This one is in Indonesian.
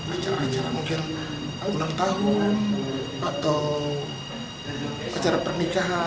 acara acara mungkin ulang tahun atau acara pernikahan